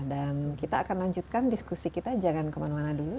dan kita akan lanjutkan diskusi kita jangan kemana mana dulu